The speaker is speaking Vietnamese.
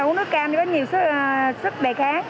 uống nước cam có nhiều sức đề kháng